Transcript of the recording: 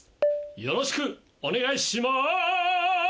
よろしくお願いします！